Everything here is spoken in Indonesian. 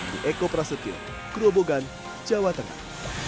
di eko prasetyo grobogan jawa tengah